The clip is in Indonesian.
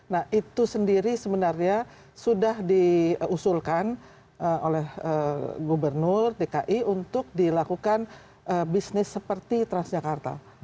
nah itu sendiri sebenarnya sudah diusulkan oleh gubernur dki untuk dilakukan bisnis seperti transjakarta